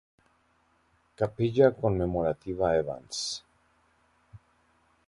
Capilla Conmemorativa Evans